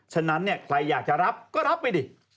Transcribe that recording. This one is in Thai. ฉะนั้นเนี่ยใครอยากจะรับก็รับไปดิ